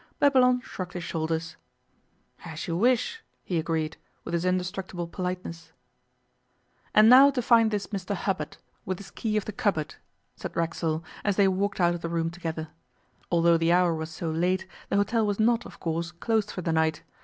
Babylon shrugged his shoulders. 'As you wish,' he agreed, with his indestructible politeness. 'And now to find this Mr Hubbard, with his key of the cupboard,' said Racksole, as they walked out of the room together. Although the hour was so late, the hotel was not, of course, closed for the night.